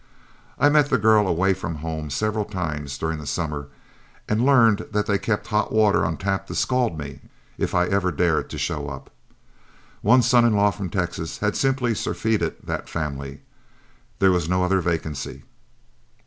I met the girl away from home several times during the summer, and learned that they kept hot water on tap to scald me if I ever dared to show up. One son in law from Texas had simply surfeited that family there was no other vacancy.